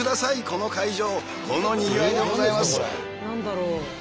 何だろう？